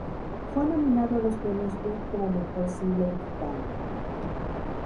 Fue nominado a los premios Brit como mejor single británico.